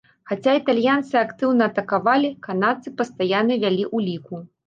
Хаця італьянцы актыўна атакавалі, канадцы пастаянны вялі ў ліку.